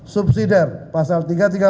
subsider pasal tiga ratus tiga puluh delapan